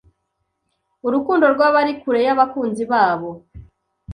urukundo rw’abari kure y’abakunzi babo